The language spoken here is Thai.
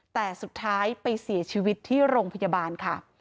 แต่สุดท้ายไปเสียชีวิตที่โรงพยาบาลค่ะ